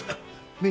ねえ？